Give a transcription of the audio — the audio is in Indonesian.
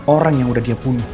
orang yang udah dia punya